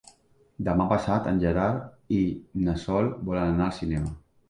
Demà passat en Gerard i na Sol volen anar al cinema.